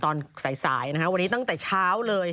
ตอนสายนะฮะวันนี้ตั้งแต่เช้าเลย